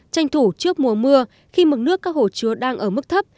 tranh thủ trước mùa mưa khi mực nước các hồ chứa đang ở mức thấp